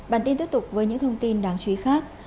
bản tin tiếp tục với những thông tin đáng chú ý khác